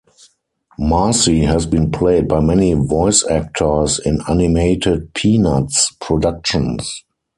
Marcie has been played by many voice actors in animated "Peanuts" productions.